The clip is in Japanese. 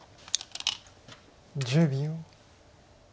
１０秒。